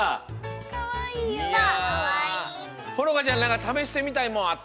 ほのかちゃんなんかためしてみたいもんあった？